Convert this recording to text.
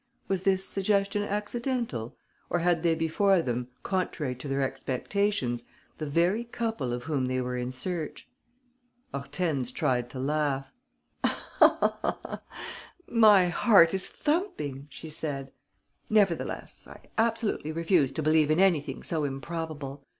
Was this suggestion accidental? Or had they before them, contrary to their expectations, the very couple of whom they were in search? Hortense tried to laugh: "My heart is thumping," she said. "Nevertheless, I absolutely refuse to believe in anything so improbable.